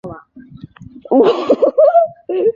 以独特的流线型外观成为流经的景象。